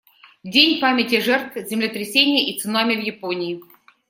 Дань памяти жертв землетрясения и цунами в Японии.